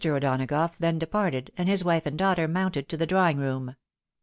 O'Donagough then departed, and his wife and daughter mounted to the drawing room.